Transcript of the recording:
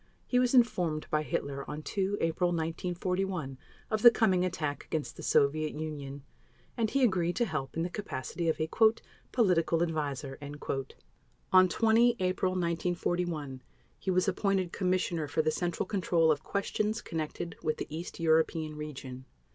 He was informed by Hitler on 2 April 1941 of the coming attack against the Soviet Union, and he agreed to help in the capacity of a "Political Adviser." On 20 April 1941 he was appointed Commissioner for the Central Control of Questions Connected with the East European Region.